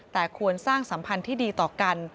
แต่ควรสร้างสัมพันธ์ที่ดีต่อกัน